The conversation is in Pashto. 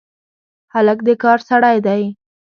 هلک د کار سړی دی.